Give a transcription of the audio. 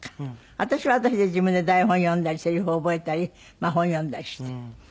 私は私で自分で台本読んだりせりふを覚えたり本読んだりして。